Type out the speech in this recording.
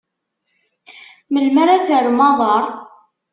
Melmi ara terrem aḍar?